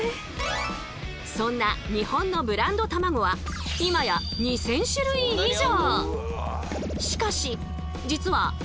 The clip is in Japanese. そんな日本の「ブランドたまご」は今や２，０００種類以上！